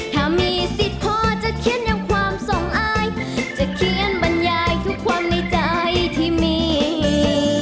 ถ้ามีสิทธิ์พอจะเขียนอย่างความส่งอายจะเขียนบรรยายทุกความในใจที่มี